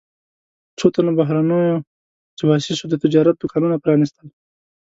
څو تنو بهرنیو جواسیسو د تجارت دوکانونه پرانیستل.